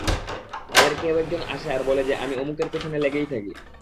তাদের কেউ একজন আসে আর বলে যে, আমি অমুকের পেছনে লেগেই থাকি।